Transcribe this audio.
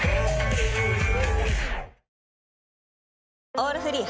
「オールフリー」